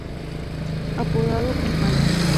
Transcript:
Apodado "El Malo".